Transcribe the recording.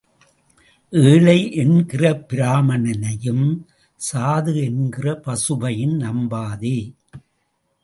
ஏழை என்கிற பிராமணனையும் சாது என்கிற பசுவையும் நம்பாதே.